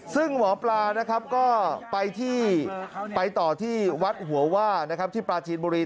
ซึ่งหมอปลาก็ไปต่อที่วัดหัวว่าที่ปลาจีนบุรี